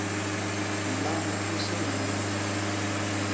Nlamb u nséñél me.